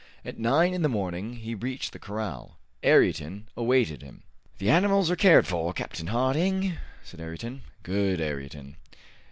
At nine in the morning he reached the corral. Ayrton awaited him. "The animals are cared for, Captain Harding," said Ayrton. "Good, Ayrton."